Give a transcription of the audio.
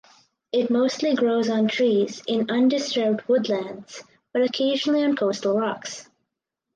It mostly grows on trees in undisturbed woodlands but occasionally on coastal rocks.